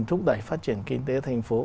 thúc đẩy phát triển kinh tế tp hcm